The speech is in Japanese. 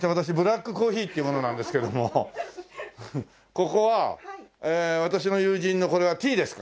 ここは私の友人のこれはティーですか？